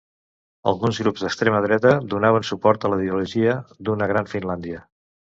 Alguns grups d'extrema dreta donaven suport a la ideologia d'una Gran Finlàndia.